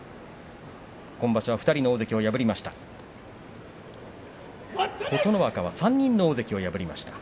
今場所は２人の大関を破りました。